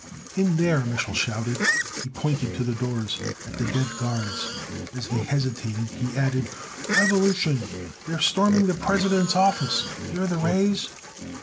"In there!" Mich'l shouted. He pointed to the doors, at the dead guards. As they hesitated, he added: "Revolution! They're storming the President's office! Hear the rays?"